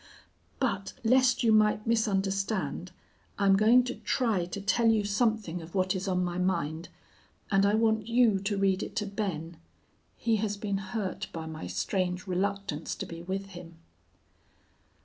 "But lest you might misunderstand, I'm going to try to tell you something of what is on my mind, and I want you to read it to Ben. He has been hurt by my strange reluctance to be with him.